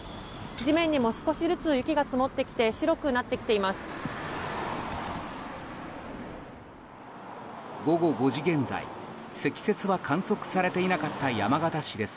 地面にも少しずつ雪が積もってきて白くなっています。